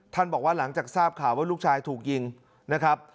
บอกว่าหลังจากทราบข่าวว่าลูกชายถูกยิงนะครับ